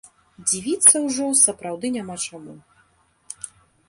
Дзівіцца ўжо сапраўды няма чаму.